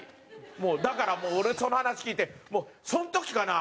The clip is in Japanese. もうだから俺その話聞いてその時かな？